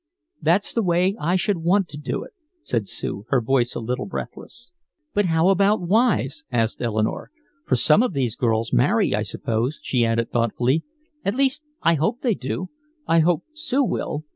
"That's the way I should want to do it," said Sue, her voice a little breathless. "But how about wives?" asked Eleanore. "For some of these girls marry, I suppose," she added thoughtfully. "At least I hope they do. I hope Sue will."